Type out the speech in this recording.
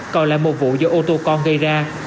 còn lại một vụ do ô tô con gây ra